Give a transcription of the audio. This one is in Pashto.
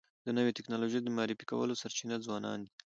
د نوي ټکنالوژۍ د معرفي کولو سرچینه ځوانان دي.